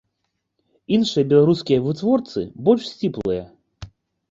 Іншыя беларускія вытворцы больш сціплыя.